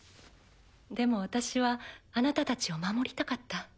でも私はあなたたちを守りたかった。